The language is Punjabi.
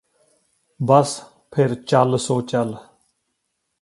ਬੱਸ ਫਿਰ ਚੱਲ ਸੋ ਚੱਲ